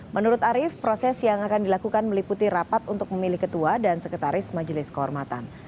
menurut arief proses yang akan dilakukan meliputi rapat untuk memilih ketua dan sekretaris majelis kehormatan